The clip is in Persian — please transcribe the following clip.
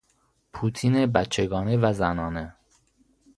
پوتین بچگانه و زنانه